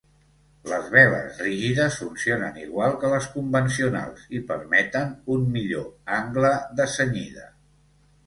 Les veles rígides funcionen igual que les convencionals i permeten un millor angle de cenyida.